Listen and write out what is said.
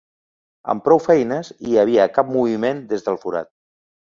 Amb prou feines hi havia cap moviment des del forat.